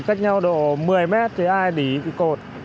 cách nhau độ một mươi mét thì ai đí cái cột